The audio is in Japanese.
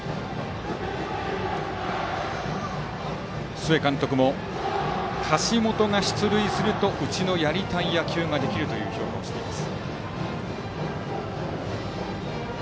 須江監督も橋本が出塁するとうちのやりたい野球ができるという評価をしています。